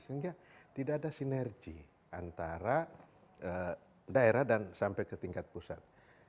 sehingga tidak ada sinergi antara daerah dan sampai ke tingkat pusat